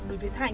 đối với thanh